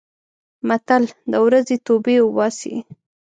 متل: د ورځې توبې اوباسي.